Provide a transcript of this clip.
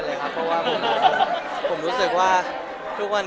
แต่ทุกคนนะระวังให้มีอะไรไม่ทรงกันนะ